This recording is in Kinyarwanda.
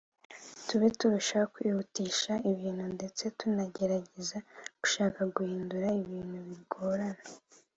tube twarushaho kwihutisha ibintu ndetse tunageregeze gushaka guhindura ibintu bigorana